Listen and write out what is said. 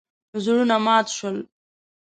زړونه مات شول.